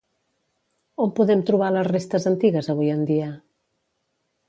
On podem trobar les restes antigues avui en dia?